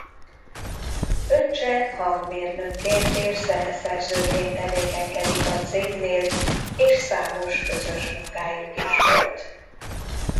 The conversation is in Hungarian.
Öccse hangmérnökként és zeneszerzőként tevékenykedik a cégnél és számos közös munkájuk is volt.